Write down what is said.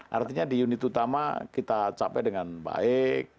artinya di unit utama kita capai dengan baik